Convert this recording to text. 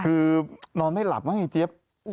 คือนอนไม่หลับว่าไงเจี๊ยบ